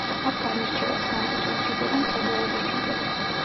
აქ განირჩევა სამკუთხა ჯიბე და მხედველობის ჯიბე.